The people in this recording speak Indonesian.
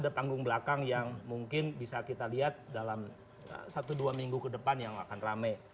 ada panggung belakang yang mungkin bisa kita lihat dalam satu dua minggu ke depan yang akan rame